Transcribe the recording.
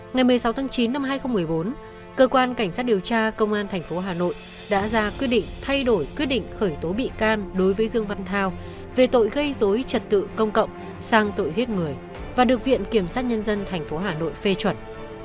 ngày một mươi sáu tháng chín năm hai nghìn một mươi bốn cơ quan cảnh sát điều tra công an tp hà nội đã ra quyết định thay đổi quyết định khởi tố bị can đối với dương văn thao về tội gây dối trật tự công cộng sang tội giết người và được viện kiểm sát nhân dân tp hà nội phê chuẩn